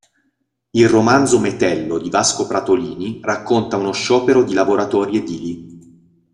Il romanzo "Metello" di Vasco Pratolini racconta uno sciopero di lavoratori edili.